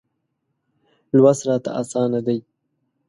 لوست راته اسانه دی.